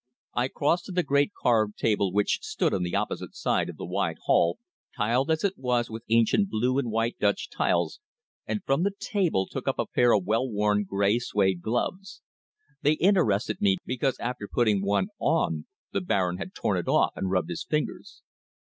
I crossed to the great carved table which stood on the opposite side of the wide hall, tiled as it was with ancient blue and white Dutch tiles, and from the table took up a pair of well worn grey suède gloves. They interested me, because after putting one on the Baron had torn it off and rubbed his fingers.